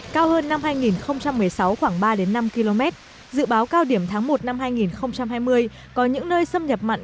cao hơn năm hai nghìn một mươi sáu khoảng ba năm km dự báo cao điểm tháng một năm hai nghìn hai mươi có những nơi xâm nhập mặn